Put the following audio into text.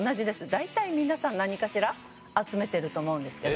大体皆さん何かしら集めてると思うんですけど。